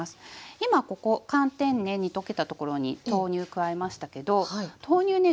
今ここ寒天ね煮溶けたところに豆乳加えましたけど豆乳ね